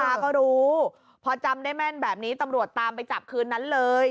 ตาก็รู้พอจำได้แม่นแบบนี้ตำรวจตามไปจับคืนนั้นเลย